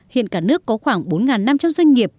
hiện cả nước có khoảng bốn năm trăm linh doanh nghiệp